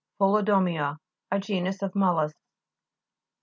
PHO'LODOMY'A A genus of mol lusks.